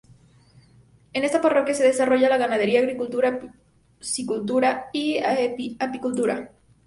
En esta parroquia se desarrolla la ganadería, agricultura, psi-cultura y apicultura.